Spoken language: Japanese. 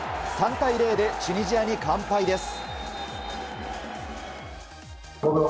３対０でチュニジアに完敗です。